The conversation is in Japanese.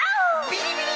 ビリビリ。